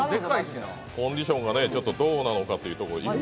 コンディションがちょっとどうなのかというところで。